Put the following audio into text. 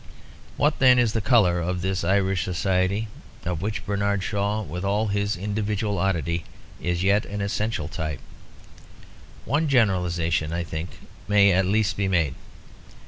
What then is the colour of this Irish society of which Bernard Shaw, with all his individual oddity, is yet an essential type? One generalisation, I think, may at least be made.